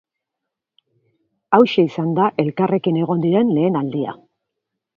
Hauxe izan da elkarrekin egon diren lehen aldia.